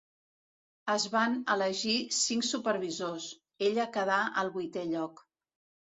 Es van elegir cinc supervisors; ella quedà al vuitè lloc.